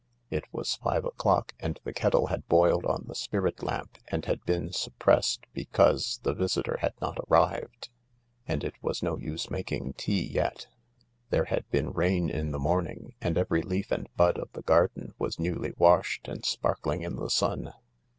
It was five o'clock, and the kettle had boiled on the spirit lamp and had been suppressed because the visitor had not arrived, and it was no use making tea yet. There had been rain in the morning, and every leaf and bud of the garden was newly washed and sparkling in the sun.